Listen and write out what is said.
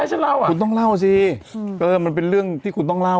ฉันเล่าอ่ะคุณต้องเล่าสิเออมันเป็นเรื่องที่คุณต้องเล่า